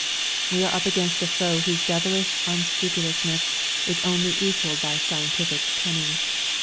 We are up against a foe whose devilish unscrupulousness is only equalled by scientific cunning.